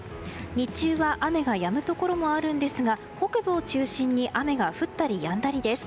日中は雨がやむところもあるんですが北部を中心に雨が降ったりやんだりです。